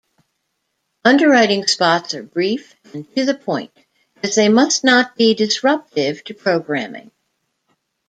Underwriting spots are brief and to-the-point, as they must not be disruptive to programming.